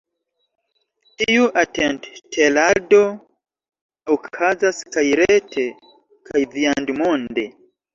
Tiu atentŝtelado okazas kaj rete, kaj viandmonde.